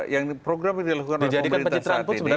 yang program yang dilakukan oleh pemerintah saat ini